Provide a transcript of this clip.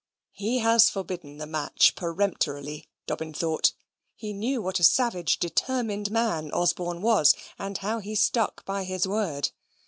He has forbidden the match peremptorily, Dobbin thought. He knew what a savage determined man Osborne was, and how he stuck by his word.